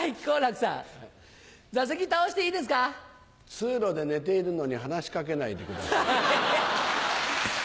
通路で寝ているのに話し掛けないでください。